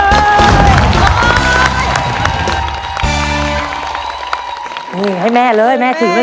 แล้ววันนี้ผมมีสิ่งหนึ่งนะครับเป็นตัวแทนกำลังใจจากผมเล็กน้อยครับ